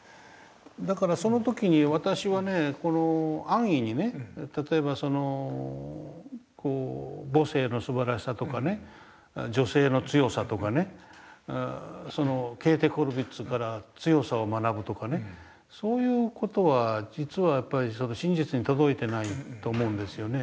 だからその時に私はね安易にね例えば母性のすばらしさとかね女性の強さとかねケーテ・コルヴィッツから強さを学ぶとかねそういう事は実はやっぱり真実に届いてないと思うんですよね。